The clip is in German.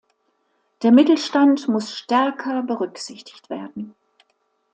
Der Mittelstand muss stärker berücksichtigt werden.